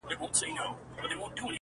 ما شپه ده راوستلې سپینوې یې او کنه -